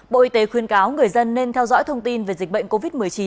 bộ y tế khuyên cáo người dân nên theo dõi thông tin về dịch bệnh covid một mươi chín